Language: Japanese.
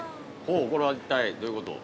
◆これは一体どういうこと？